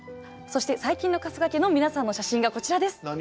そして最近の春日家の皆さんの写真がこちらです。